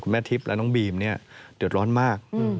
แม่ทิพย์และน้องบีมเนี่ยเดือดร้อนมาก